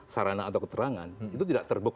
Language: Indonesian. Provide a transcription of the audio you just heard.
sarana atau keterangan itu tidak terbukti